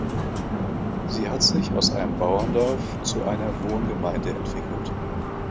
Sie hat sich aus einem Bauerndorf zu einer Wohngemeinde entwickelt.